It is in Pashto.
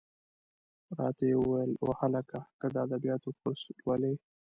را ته یې وویل: وهلکه! که د ادبیاتو کورس لولې.